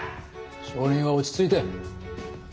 証人は落ち着いて。